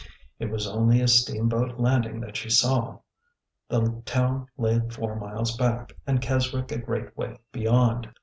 It was only a steamboat landing that she saw. The town lay four miles back, and Keswick a great way be yond.